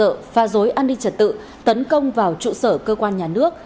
hành động man dợ pha dối ăn đi trật tự tấn công vào trụ sở cơ quan nhà nước